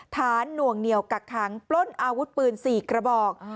หน่วงเหนียวกักขังปล้นอาวุธปืน๔กระบอก